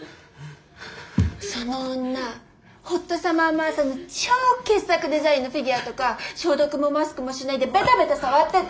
その女「ホットサマー・マーサ」の超傑作デザインのフィギュアとか消毒もマスクもしないでベタベタ触ってた。